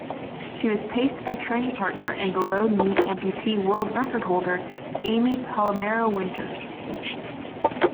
She was paced by training partner and below-knee amputee world record holder Amy Palmiero-Winters.